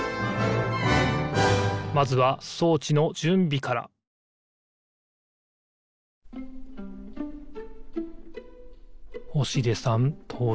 まずは装置のじゅんびから星出さんとうじょうです。